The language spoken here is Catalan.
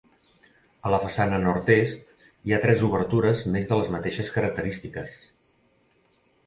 A la façana nord-est hi ha tres obertures més de les mateixes característiques.